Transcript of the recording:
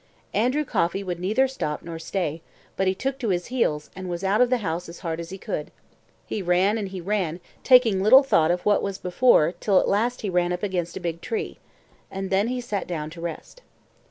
Andrew Coffey would neither stop nor stay, but he took to his heels and was out of the house as hard as he could. He ran and he ran taking little thought of what was before till at last he ran up against a big tree. And then he sat down to rest.